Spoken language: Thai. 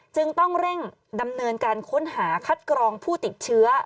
จึงต้องเร่งดำเนินการค้นหาคัดกรองผู้ติดเชื้อ